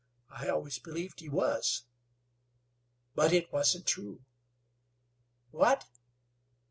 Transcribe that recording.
I always believed he was." "But it wasn't true." "What?"